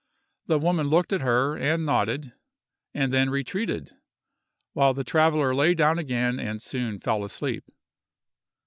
The woman looked at her, and nodded, and then retreated, while the traveller lay down again and soon fell asleep.